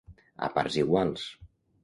A parts iguals.